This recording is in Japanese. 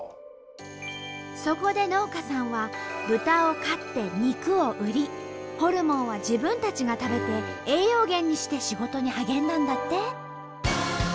そこで農家さんは豚を飼って肉を売りホルモンは自分たちが食べて栄養源にして仕事に励んだんだって。